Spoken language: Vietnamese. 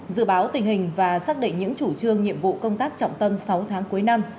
dự báo tình hình và xác định những chủ trương nhiệm vụ công tác trọng tâm sáu tháng cuối năm